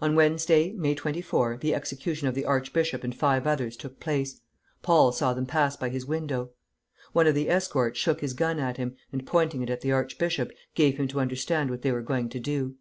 On Wednesday, May 24, the execution of the archbishop and five others took place, Paul saw them pass by his window; one of the escort shook his gun at him, and pointing it at the archbishop, gave him to understand what they were going to do.